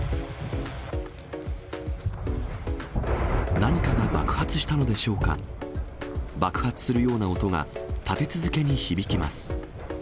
何かが爆発したのでしょうか、爆発するような音が立て続けに響きます。